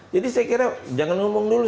jadi saya kira jangan ngomong dulu